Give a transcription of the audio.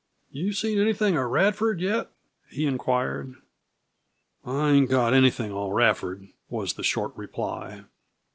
"You seen anything of Radford yet?" he inquired. "I ain't got anything on Radford," was the short reply.